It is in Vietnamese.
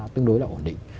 tương đối là ổn định